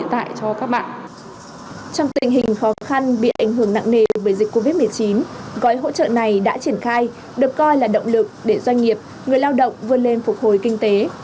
trong tình hình khó khăn bị ảnh hưởng nặng nề bởi dịch covid một mươi chín gói hỗ trợ này đã triển khai được coi là động lực để doanh nghiệp người lao động vươn lên phục hồi kinh tế